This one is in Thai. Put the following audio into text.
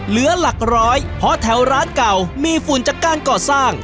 เหลือหลักร้อยเพราะแถวร้านเก่ามีฝุ่นจากการก่อสร้าง